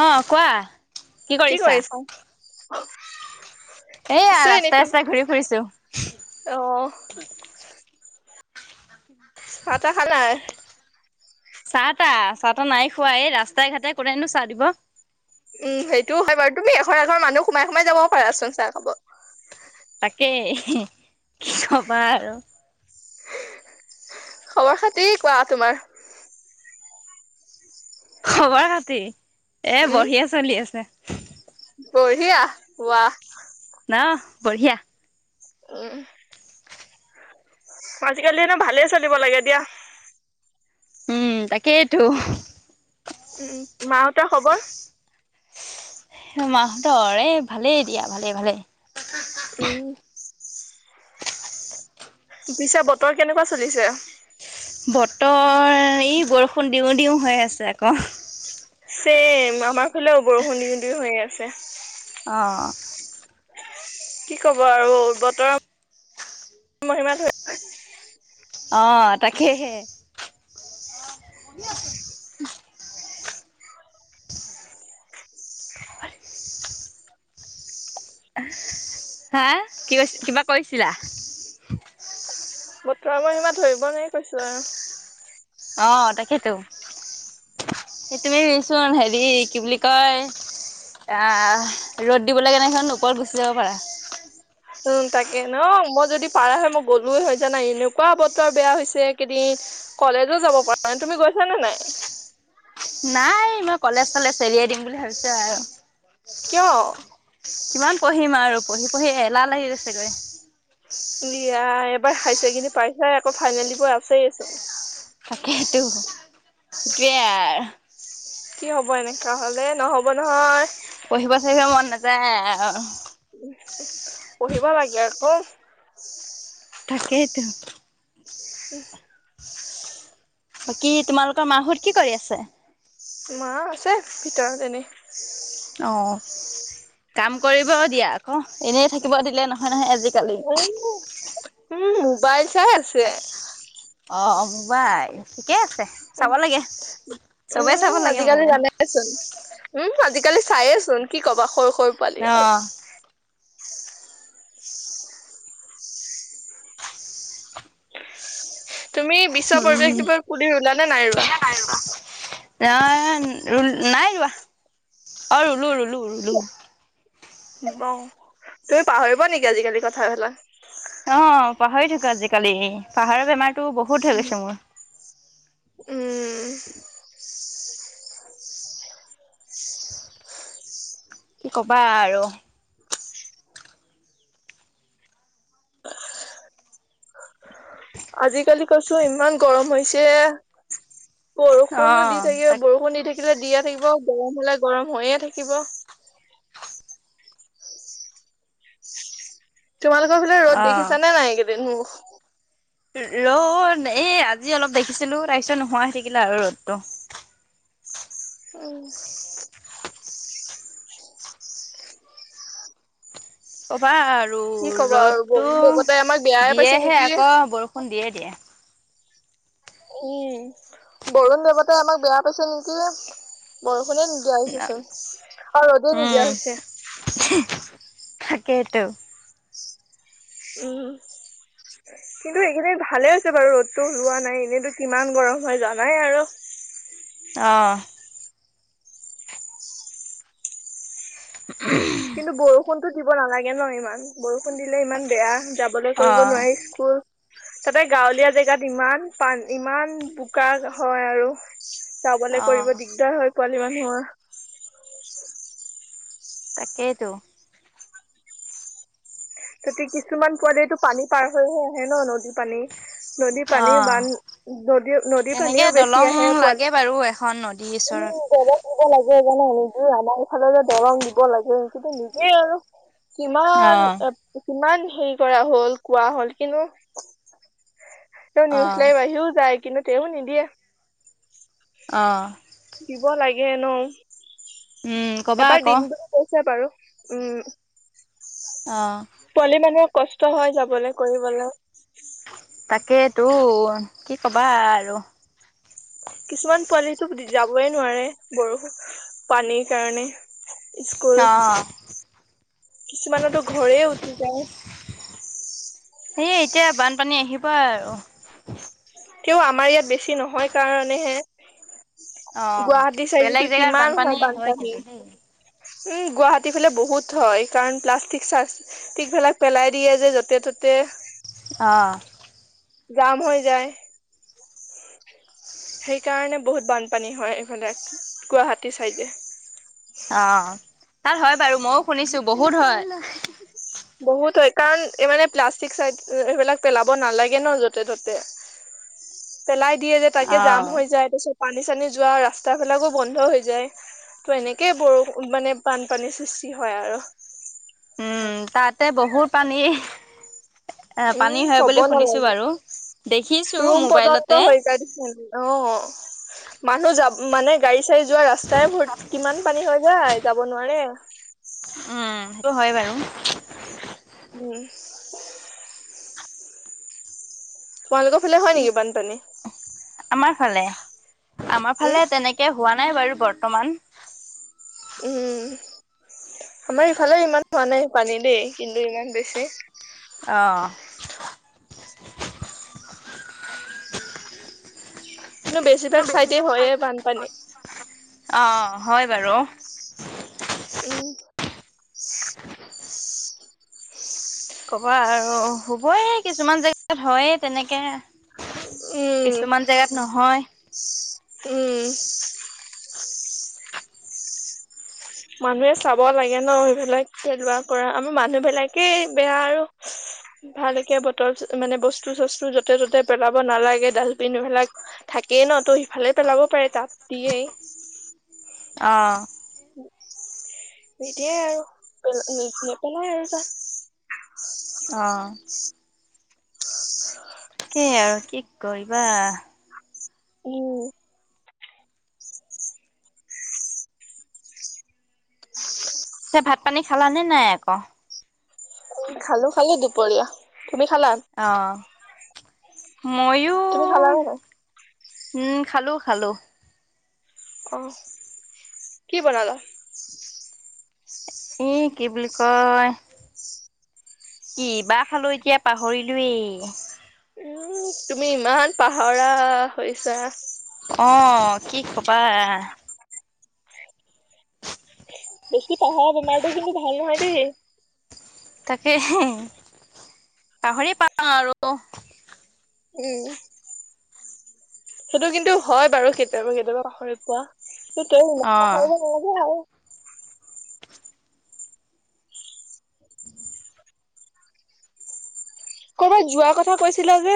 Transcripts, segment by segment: অহ কোৱা। কি কৰিছা? এয়া ৰাস্তাই ৰাস্তাই ঘূৰি ফুৰিছো। আহ [unintelligible] [unintelligible] চাহ-তা খালা। চাহ তাহ চাহ টা নাই খোৱা এই ৰাস্তা ঘাটে কোনেনো চাহ দিব। উম সেইটো হয় বাৰু তুমি এঘৰ এঘৰ মানুহ সোমাই সোমাই যাব পাৰা চোন চাহ খাব। তাকেই। কি কৱা আৰু। খৱৰ- খাতি কোৱা তোমাৰ? খবৰ-খাতি। এ উম, বঢ়িয়া চলি আছে। বঢ়িয়া ৱোৱা। ন বঢ়িয়া। উম আজিকালিনে ভালেই চলিব লাগে দিয়া। উম তাকেইটো। উম মাহঁতৰ খৱৰ? মাহতৰ এ ভালেই দিয়া ভালে- ভালে। উম, পিছে বতৰ কেনেকুৱা চলিছে। বতৰ ই বৰষুণ দিওঁ-দিওঁ। হৈ আছে আকৌ। ছেম আমাৰ ফালেও বৰষুণ দিওঁ- দিওঁ হৈ আছে। অঁ। কি ক'ব আৰু বতৰৰ মহিমা ধৰি অঁ তাকেহে। হা কি কৈচ কিবা কৈছিলা। বতৰৰ মহিমা ধৰিব নোৱাৰি কৈছো আৰু। অঁ তাকেইতো সেইটোৱেচোন হেৰি কি বুলি কয় আহ ৰ'দ দিবলৈ ওপৰত গুচি যাব পাৰা। উম, তাক কে ন মই যদি পাৰা হয় মই গ'লো হয় জানা এনেকুৱা বতৰ বেয়া হৈছে কেইদিন কলেজো যাব পৰা নাই তুমি গৈচা নে নাই। নাই মই কলেজ ফালে চেলিয়াই দিম বুলি ভাবিচো আৰু। কিয়। পঢ়ি-পঢ়ি এলাহ লাগি গৈছেগৈ। লিয়া এপ এবাৰ হাইচেকেনদাৰি পাইছাহে আকৌ ফাইনেল দিব আছেই চোন। তাকেইতো, সেইটোয়ে আৰ। কি হ'ব এনেকা হ'লে নহ'ব নহয়। পঢ়িব চ়হিব মন নাযায়। অঁ। পঢ়িব লাগে আকৌ। তাকেইতো। [inaudible] বাকী তোমালোকৰ মাহত কি কৰি আছে। মা আছে ভিতৰত এনেই। অঁ। [inaudible] কাম কৰিব দিয়া আকৌ। এনেই থাকিব দিলে ন এই, উম। মবাইল চাই আছে। অ'-অ', মোবাইল ঠিকে আছে। উ, চাব লাগে চবেই চাব উম', লাগে আজিকালি মোবাইল জানেচোন উম আজ। কালি চায়েচোন কি ক'বা সৰু খৰু পালি অ আৰু [unintelligible] [unintelligible] তুমি বিশ্ব পৰিৱেশ উম দিব কুুলিি ওলানে নাই ৰোৱা? এ নাই ৰোৱা, অ, ৰুলো ৰুলো ৰুলো। ব তুমি পাহৰিবা নেকি আজিকালি কথাাবেলাক। অ। পাহৰি থাকো আজিকালি পাহাৰত বেমাৰতো বহুত হৈ গৈছে মোৰ। উম। কি কবা আৰু আজিকালি কৈছো ইমান গৰম হৈছে। অ বৰষুণো দি থাকে, তাক বৰষুণ দি থাকে। কিতেদিয়া থাকিব গৰম হলে গৰম হৈয়ে থাকিব। তোমালোকৰ ফালে ৰদ দেখিচা নে নাই ককেইদিন? লত এই আজি অলপ দেখিছিলো তাৰপিছত নোহোৱা হৈ থাকিলে আৰু ৰদটো। অ। অভাৰৰ। আৰু কি ক'বা আৰু বৰুণ দেৱতাই আমাক ৰ'দটো বেয়াই পাইছে দিয়েহে নেকি আকৌ বৰষুণ দিয়ে দিয়ে। উম, বৰুণ দেৱতাই আমাক বেয়া পাইছে নেকি? বৰ খোনে নিদিয়া হৈছে চব আৰু ৰ'দ নিদিয়া হৈছে। থাকেই টো। উম, কিন্তু একেদিন ভালে আ হৈছে বাৰু ৰ'দতটো লোৱা নাই এনেইতো কিমান গৰম হয় জানাই আৰু। অহ। [unintelligible] কিন্তু বৰষুণতো দিব নালাগে ন ইমান বৰষুণ দিলে ইমান বেয়া। যাবলৈ অ কৰিব নোৱাৰি স্কুল। তাতে গাঁৱলীয়া জেগাত ইমান পান ইমান বোকা হয়, আৰু চাবলে অ কৰিব দিগদাৰ হয়। পোৱালি মানুহোৱা তাকেইতো তাতিতে কিছুমান পোৱালিটো পানী পাৰ হৈহে আহে ন নদীত পানী নদীৰ অ পানীও বান নদ নদীৰ তেনেকে পানীও বেছি দলং আহে লাগে পোৱালি বাৰু এখন নদীৰ ওচৰত উল লে [unintelligible] জানে নিজে আমাৰ ইফালে যে দৰং দিব লাগে কিন্তু নিজে আৰু অ কিমান কিমান হেৰি কৰা হল কোৱা হল কিন্তু তেওঁ নিউজ লাই অ আহিও যায় কিন্তু তেওঁনিদিয়ে অ দিব লাগে উম ন কবা এবাৰ আকৌ দিম বুলি কৈছে বাৰু উম অ পোৱালি মানুহৰ কষ্ট হয় যাবলৈ কৰিবলৈ তাকেই তো কি কবা আৰু কিছুমান পোৱালিটো যাবই নোৱাৰে বৰষুণ পানীৰ কাৰণে স্কুল কিছুমানতো ঘৰে উতি যায় সেয় এতিয়া বানপানী আহিব ওপাৰ কও আমাৰ ইয়াত বেছি নহয় কাৰণেহে অ গুৱাহাটী বেলেগ চাইডতো জেগাত কিমান বানপানী হয় কিন্তু সেই গুৱাহাটী ফালে বহুত হয় কাৰণ প্লাষ্টিক চাচটিক বিলাক পেলাই দিয়ে য'তে ততে অঁ জাম হৈ যায় সেইকাৰণে বহুত বানপানী হয় এইফালে গুৱাহাটী চাইডে অ তাত হয় বাৰু মইও শুনিছো বহুত হয় বহুত হয় কাৰণ এই মানে প্লাষ্টিক চাই এইবিলাক পেলাব নালাগে ন য'তে ত'তে পেলাই দিয় যে তাকে জাম হৈ যায় তাছত পানী পানি চানি যোৱা ৰাস্তাাবিলাকো বন্ধ হৈ যায় ত' এনেকেই বৰষুণ মানে বানপানীৰ সৃষ্টি হয় আৰু উ তাতে বহুত পানী [inaudible] উম পানী হয় কব বুলি শুনিছো বাৰু দেখিছো নালাগে ৰুম পৰ্যন্ত মোবাইলতে হৈজাই অ মানুহ যাব মানে গাড়ী চা়ৰি যোৱা ৰাস্তাই ভ কিমান পানী হৈ যায় যাব নোৱাৰে উ সটো হয় বাৰু উম [unintelligible] তোমালোকৰ ফালে হয় কি নেকি বানপানী আমাৰ ফালে আমাৰ উম ফালে তেনেকে হোৱা নাই বাৰু বৰ্তমান উম, আমাৰ ইফালে ইমান হোৱা নাই পানী দেই কিন্তু ইমান বেছি হয়। [inaudible] কিন্তু বেছিভাগ চাইডে হয়য়ে বানপানী। অহ', হয় বাৰু। উম, ক'বা আৰু হ'বই কিছুমান জেগাত হয় তেনেকে। কিছুমান জেগাত নহয় উম-উম। মানুহে চাব লাগে ন সবিলাক খেলুৱা কৰা আমি মানুহ বিলাকেই বেয়া আৰু ভালকে বটল মানে বস্তু চস্তু যতে ত'তে পেলাব নালাগে ডালপিন এইবিলাক থাকেই ন ত ভালে পেলাব পাৰে তাত দিয়েই। অহ', এতিয়াই আৰু পেল নেপেলাই আৰু যাহ। অহ ', [unintelligible] তাকেই আৰু কি কৰিবা। উম, [inaudible] পিছে ভাত পানী খালা নে নাই আকৌ? খালো- খালো দুপৰীয়া। তুমি খালা? অ ময়ো তুমি খালা লে নাই? উম, খালো - খালো। অহ ', কি বনালা? উম, কি বুলি কয় কি বা খালো এতিয়া পাহৰিলোয়েই। উম, তুমি ইমান পাহৰা হৈছা। অহ ', কি কবা। বেছি পাহাৰ বেমাৰটো কিন্তু ভাল নহয় দেই। তাকে পাহৰি পাওঁ আৰু উম সেইটো কিন্তু হয় বাৰু কেতিয়াবা - কেতিয়াবা পাহৰি পোৱা। সতি অ নালাগে আৰু [unintelligible] কৰ'বাত যোৱাৰ কথা কৈছিল যে।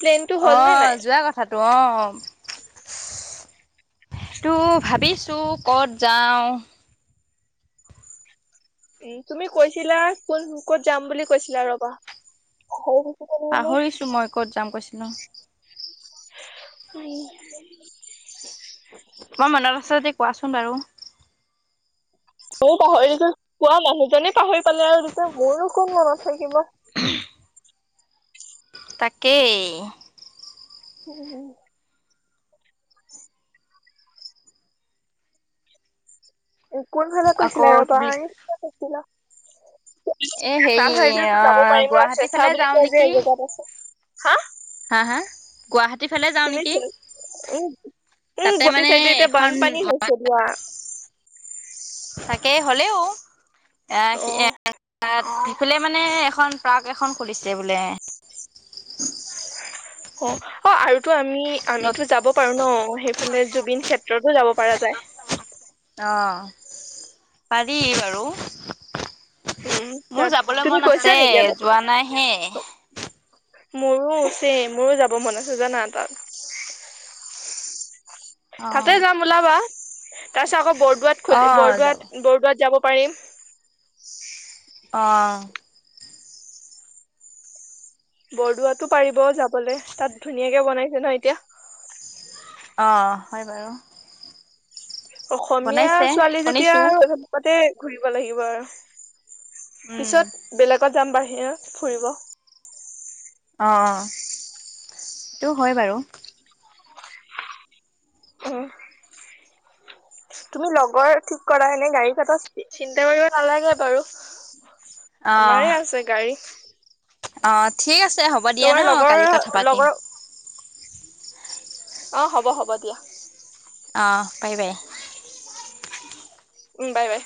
প্লেনটো হ'ল নে অহ নাই? ', যোৱা কথা অহ ', তো ভাবিছোঁ ক'ত যাওঁ। উম, তুমি কৈছিলা কোন ক'ত যাম বুলি কৈছিলা ৰবা সৰু পাহৰিছো মই ক'ত যাম কৈছো। ন উম, তোমাৰ মনত আছে যদি কোৱাচোন বাৰু। ময়ও পাহৰিছো পুৱা মানুহ জনে পাহৰি পেলালে আৰু [unintelligible] মোৰো কোন মনত থাকিব। তাকেই। উম। কোনফালে আকৌ কৈছিলা কি ৰবা বুলি এই ক কৈছিলা এ ভাল হেৰি হয়চে জদি অ যাব পাৰিম ন গুৱাহাটী চেচা ফালে বুলি যাওঁ কয় যে নেকি এজেগাত আছে। হা হা হা গুৱাহাটী ফালে যাওঁ তুমি নেকি উম উম তাতে গটি মানে চাইডে এতিয়া এখন বানপানী হৈছে দিয়া। তাকে হ'লেও। অ', [unintelligible] ফালে মানে এখন পাৰ্ক এখন খুলিছে বোলে। অ', আৰু তো আমি নত আমিতো যাব পাৰো ন সেইফালে জুবিন ক্ষেত্ৰতো যাব পাৰোঁ পৰা যায়। অঁ পাৰি বাৰু। উম, মোৰ তাত যাবলৈ তুমি মন গৈছা আছে নেকি আগতে? যোৱা নাই হে। মোৰো চেম মোৰো যাব মন আছে জানা তাত। অ তাতে যাম ওলাবা। [inaudible] তাৰপাছত আকৌ বৰদোৱাত খু অ যাব বৰদোৱাত বৰদোৱাত যাব পাৰিম। অ'। বৰদোৱাতো পাৰিব যাবলৈ তাত ধুনীয়াকে বনাইছে ন এতিয়া। অঁ হয় বাৰু। অসমীয়া বনাইছে ছোৱালী যেতিয়া শুনিছো আৰু তাতে ঘুৰিব লাগিব আৰু। উম পিছত বেলেগ কত যাম বাহিৰত ফুৰিব। অঁ সেইটো হয় বাৰু। উম, তুমি লগৰ ঠিক কৰা হেনে গাড়ী কথা চিন্তা কৰিব নালাগে বাৰু। আমাৰে আছে গাড়ী। অঁ ঠিক আছে। ছে হ'ব দিয়া ন তোমাৰ লগৰ কালি কথা পাতিম। অঁ, হ'ব-হ'ব দিয়া। অঁ বাই-বাই। উ বাই বাই।